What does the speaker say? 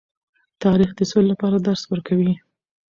تاریخ د سولې لپاره درس ورکوي.